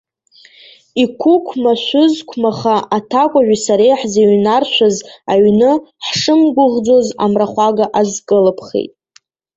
Иқәықәмашәызқәмаха аҭакәажәи сареи ҳзыҩнаршәыз аҩны, ҳшымгәыӷӡоз, амрахәага азкылыԥхеит.